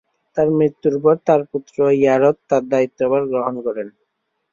তার মৃত্যুর পর তাঁর পুত্র য়ারদ তার দায়িত্বভার গ্রহণ করেন।